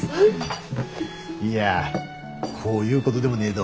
いやこういうごどでもねえど